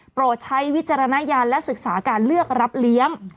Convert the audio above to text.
ใช้วิจารณญาณและศึกษาการเลือกรับเลี้ยง